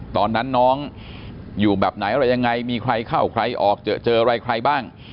ตอนนั้นน้องอยู่แบบไหนอะไรยังไงมีใครเข้าใครออกเจออะไรใครบ้าง